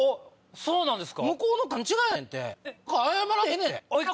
そうなんすか？